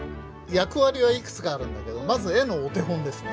役割はいくつかあるんだけどまず絵のお手本ですね。